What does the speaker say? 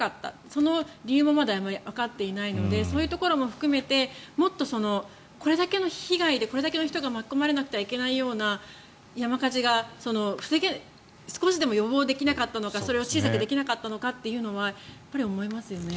その理由もまだわかっていないのでそういうところも含めてもっと、これだけの被害でこれだけの人が巻き込まれなくてはいけないような山火事が少しでも予防できなかったのか小さくできなかったのかとは思いますね。